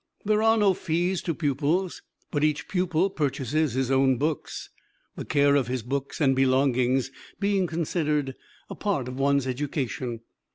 There are no fees to pupils, but each pupil purchases his own books the care of his books and belongings being considered a part of one's education.